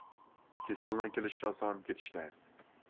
كېسەلنىڭ كېلىشى ئاسان، كېتىشى تەس.